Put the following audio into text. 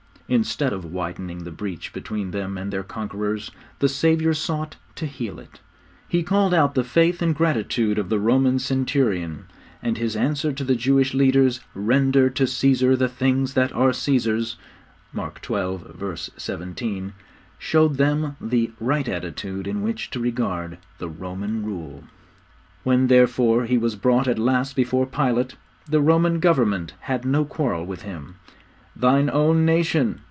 Instead of widening the breach between them and their conquerors, the Saviour sought to heal it. He called out the faith and gratitude of the Roman centurion, and His answer to the Jewish leaders, 'Render to Caesar the things that are Caesar's (Mark xii. 17) showed them the right attitude in which to regard the Roman rule. When, therefore, He was brought at last before Pilate, the Roman Government had no quarrel with Him. '_Thine own nation